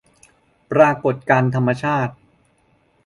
ปรากฎการณ์ธรรมชาติ